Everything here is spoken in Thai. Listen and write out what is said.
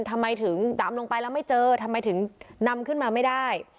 ทำไมถึงดำลงไปแล้วไม่เจอทำไมถึงนำขึ้นมาไม่ได้